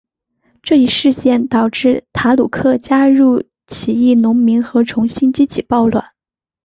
这一事件导致塔鲁克加入起义农民和重新激起暴乱。